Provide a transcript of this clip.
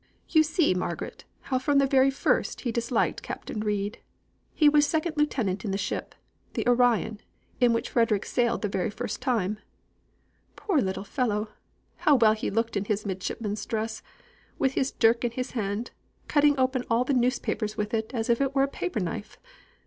"You see, Margaret, how from the very first he disliked Captain Reid. He was second lieutenant in the ship the Orion in which Frederick sailed the very first time. Poor little fellow, how well he looked in his midshipman's dress, with his dirk in his hand, cutting open all the newspapers with it as if it were a paper knife!